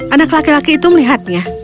anak laki laki itu melihatnya